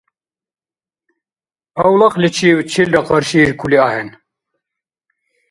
Авлахъличив чилра къаршииркули ахӀен.